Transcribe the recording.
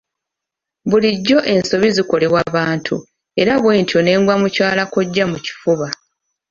Bulijjo ensobi zikolebwa bantu era bwentyo ne ngwa mukyala kkojja mu kifuba.